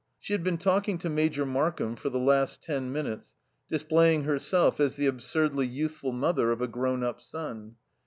She had been talking to Major Markham for the last ten minutes, displaying herself as the absurdly youthful mother of a grown up son.